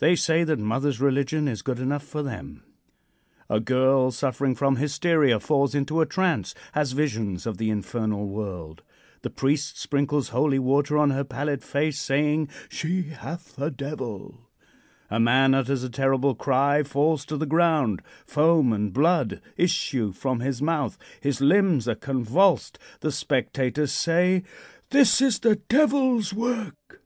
They say that mother's religion is good enough for them. A girl suffering from hysteria falls into a trance has visions of the infernal world. The priest sprinkles holy water on her pallid face, saying: "She hath a devil." A man utters a terrible cry; falls to the ground; foam and blood issue from his mouth; his limbs are convulsed. The spectators say: "This is the Devil's work."